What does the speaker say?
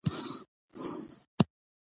د پنبي کښت د نساجۍ صنعت ته خام مواد ورکوي.